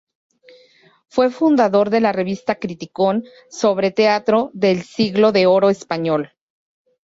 Fue fundador de la revista "Criticón" sobre teatro del Siglo de Oro español.